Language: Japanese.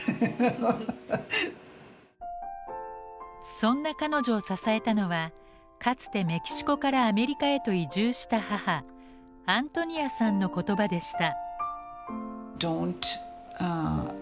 そんな彼女を支えたのはかつてメキシコからアメリカへと移住した母アントニアさんの言葉でした。